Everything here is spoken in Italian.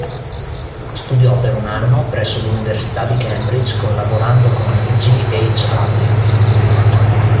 Studiò per un anno presso l'Università di Cambridge collaborando con G. H. Hardy.